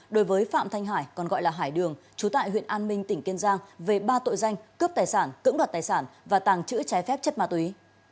đối với phạm thanh hải còn gọi là hải đường chú tại huyện an minh tỉnh kiên giang về ba tội danh cướp tài sản cưỡng đoạt tài sản và tàng trữ trái phép chất ma túy